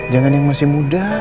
jangan yang masih muda